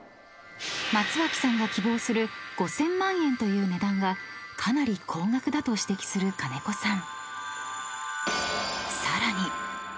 ［松脇さんが希望する５，０００万円という値段がかなり高額だと指摘する金子さん］